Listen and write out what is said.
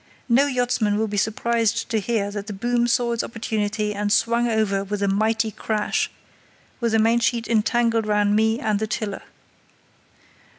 No yachtsman will be surprised to hear that the boom saw its opportunity and swung over with a mighty crash, with the mainsheet entangled round me and the tiller.